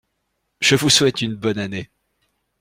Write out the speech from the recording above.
Je vous souhaite une bonne année.